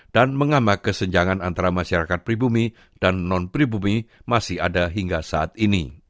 dan mengamak kesenjangan antara masyarakat pribumi dan non pribumi masih ada hingga saat ini